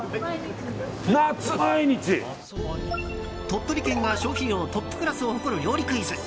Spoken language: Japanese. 鳥取県が消費量トップクラスを誇る料理クイズ。